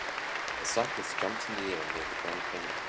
A cyclist jumps in the air near the Grand Canyon.